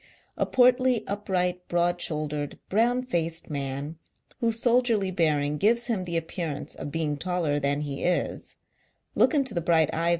A portly, upright, broad shouldered, brown faced man, whose soldierly bearing gives him the appearance of being taller than he is, look into the bright eye of M.